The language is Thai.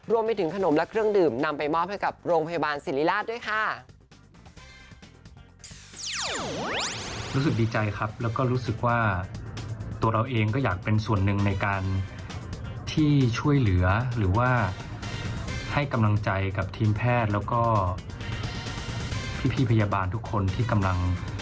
รวมไปถึงขนมและเครื่องดื่มนำไปมอบให้กับโรงพยาบาลศิริราชด้วยค่ะ